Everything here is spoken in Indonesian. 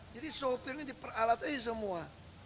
jadi sopir ini diperalat aja semua